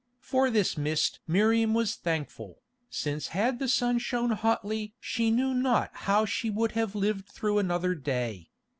For this mist Miriam was thankful, since had the sun shone hotly she knew not how she would have lived through another day.